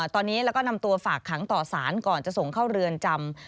ตอนนี้แล้วก็นำตัวฝากขังต่อสารก่อนจะส่งเข้าเรือนจำ